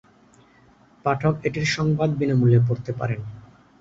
পাঠক এটির সংবাদ বিনামূল্যে পড়তে পারেন।